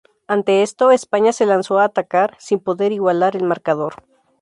Ante esto, España se lanzó a atacar, sin poder igualar el marcador.